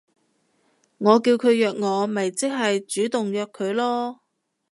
我叫佢約我咪即係主動約佢囉